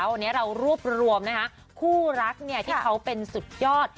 วันนี้เรารวบรวมนะคะคู่รักที่เขาเป็นสุดยอด